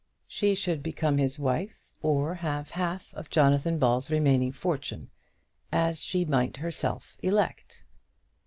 She should become his wife, or have half of Jonathan Ball's remaining fortune, as she might herself elect.